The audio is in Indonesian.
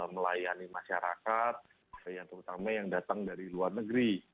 melayani masyarakat terutama yang datang dari luar negeri